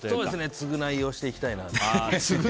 償いをしていきたいなと。